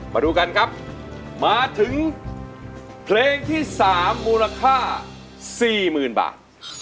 มาดูกันครับมาถึงเพลงที่สามมูลค่าสี่หมื่นบาท